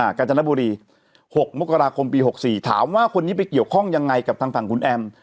กาญจนบุรีหกมกราคมปีหกสี่ถามว่าคนนี้ไปเกี่ยวข้องยังไงกับทางฝั่งคุณแอม